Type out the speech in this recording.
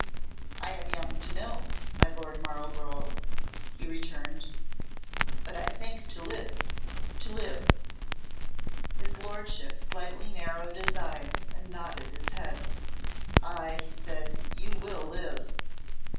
"I am young to know, my Lord Marlborough," he returned, "but I think to live to live." His Lordship slightly narrowed his eyes, and nodded his head. "Ay," he said, "you will live!"